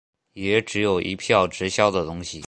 也只有一票直销的东西